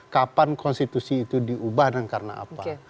kapan konstitusi itu diubah dan karena apa